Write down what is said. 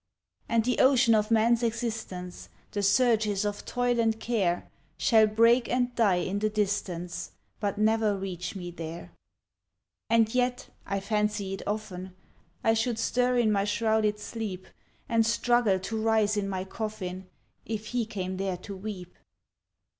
And the ocean of man's existence, The surges of toil and care, Shall break and die in the distance, But never reach me there. And yet I fancy it often I should stir in my shrouded sleep, And struggle to rise in my coffin, If he came there to weep.